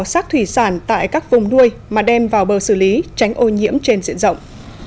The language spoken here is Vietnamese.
xác thủy sản tại các vùng nuôi mà đem vào bờ xử lý tránh ô nhiễm trên diện rộng